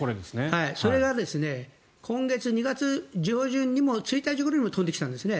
それが今月２月上旬１日ごろにも飛んできたんですね。